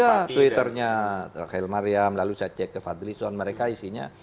ada twitternya rafael mariam lalu saya cek ke fadlison mereka isinya